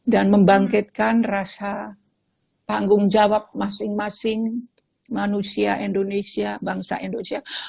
dan membangkitkan rasa tanggung jawab masing masing manusia indonesia bangsa indonesia